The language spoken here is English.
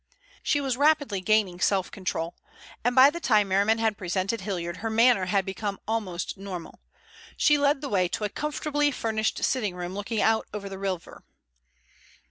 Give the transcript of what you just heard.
She was rapidly regaining self control, and by the time Merriman had presented Hilliard her manner had become almost normal. She led the way to a comfortably furnished sitting room looking out over the river.